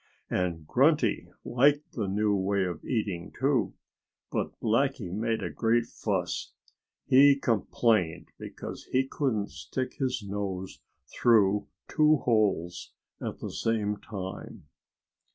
And Grunty liked the new way of eating, too. But Blackie made a great fuss. He complained because he couldn't stick his nose through two holes at the same time!